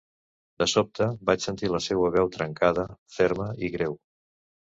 De sobte, vaig sentir la seua veu trencada, ferma i greu.